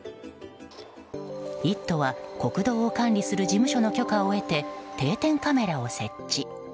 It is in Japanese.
「イット！」は国道を管理する事務所の許可を得て定点カメラを設置。